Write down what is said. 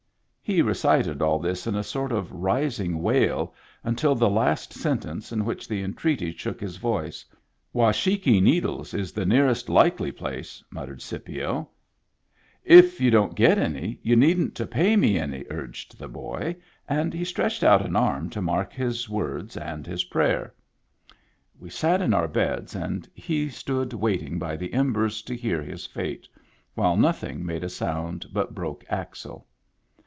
He recited all this in a sort of rising wail until the last sentence, in which the entreaty shook his voice. "Washakie Needles is the nearest likely place," muttered Scipio. " If you don't get any, you needn't to pay me any," urged the boy; and he stretched out an arm to mark his words and his prayer. Digitized by Google TIMBERLINE 139 We sat in our beds and he stood waiting by the embers to hear his fate, while nothing made a sound but Broke Axle.